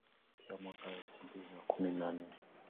Pia mwaka wa elfu mbili kumi na nne